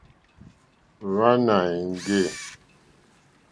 Wàná èŋɡê.